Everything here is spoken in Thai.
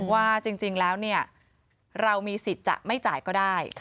ว่าจริงแล้วเรามีสิทธิ์จะไม่จ่ายก็ได้